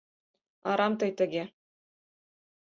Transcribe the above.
— Арам тый тыге.